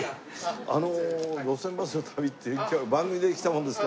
あの『路線バスの旅』っていう今日は番組で来たものですから。